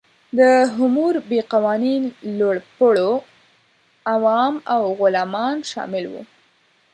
د حموربي قوانین لوړپوړو، عوام او غلامان شامل وو.